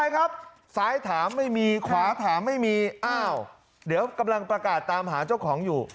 ครับซ้ายถามไม่มีขวาถามไม่มีอ้าวเดี๋ยวกำลังประกาศตามหาเจ้าของอยู่